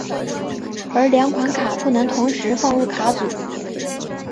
而两款卡不能同时放入卡组。